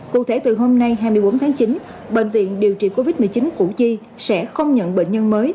cụ thể từ hôm nay hai mươi bốn tháng chín bệnh viện điều trị covid một mươi chín củ chi sẽ không nhận bệnh nhân mới